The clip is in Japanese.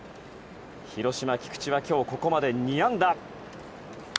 広島、菊池は今日ここまで２安打。